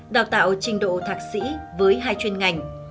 đào tạo trình độ thạc sĩ với hai chuyên ngành